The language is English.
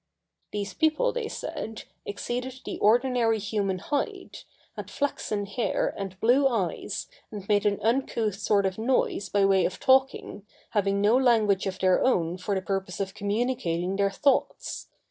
These people, they said, exceeded the ordinary human height, had flaxen hair, and blue eyes, and made an uncouth sort of noise by way of talking, having no language of their own for the purpose of communicating their thoughts.